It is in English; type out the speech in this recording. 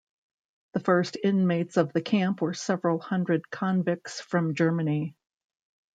The first inmates of the camp were several hundred convicts from Germany.